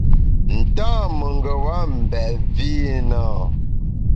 Nta mengeba mbèt vi i na?